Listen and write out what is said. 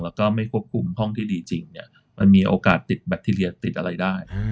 แล้วก็ไม่ควบคุมห้องที่ดีจริงเนี่ยมันมีโอกาสติดแบคทีเรียติดอะไรได้